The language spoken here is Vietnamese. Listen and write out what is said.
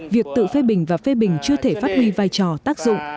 việc tự phê bình và phê bình chưa thể phát huy vai trò tác dụng